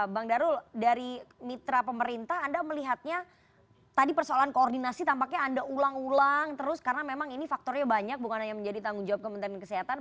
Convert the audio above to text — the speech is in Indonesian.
bang darul dari mitra pemerintah anda melihatnya tadi persoalan koordinasi tampaknya anda ulang ulang terus karena memang ini faktornya banyak bukan hanya menjadi tanggung jawab kementerian kesehatan